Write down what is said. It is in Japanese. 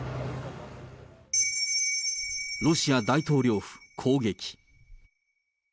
ロシア大統領府攻撃。